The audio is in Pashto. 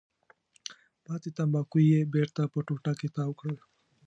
پاتې تنباکو یې بېرته په ټوټه کې تاو کړل.